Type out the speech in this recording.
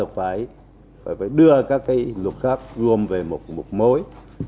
phải đưa các luật khác gồm về một mối